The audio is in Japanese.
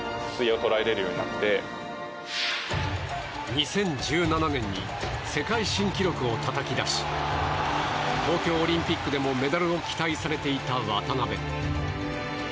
２０１７年に世界新記録をたたき出し東京オリンピックでもメダルを期待されていた渡辺。